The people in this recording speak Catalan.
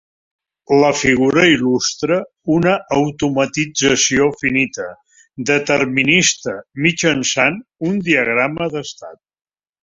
La figura il·lustra una automatització finita determinista mitjançant un diagrama d'estat.